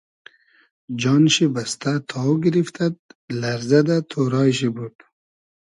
جان شی بئستۂ تاو گیریفتئد لئرزۂ دۂ تۉرای شی بود